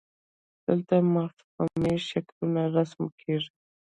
دلته مفهومي شکلونه رسم کیږي.